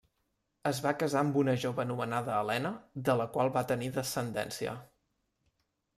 Es va casar amb una jove anomenada Helena, de la qual va tenir descendència.